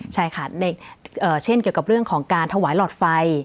ใช่ค่ะเช่นเกี่ยวกับเรื่องของการถวายหลอดไฟ